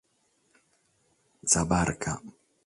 Sa barca.